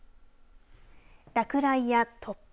落雷や突風